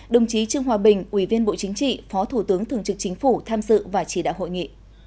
đồng chí trương hòa bình ủy viên bộ chính trị phó thủ tướng thường trực chính phủ tham dự và chỉ đạo hội nghị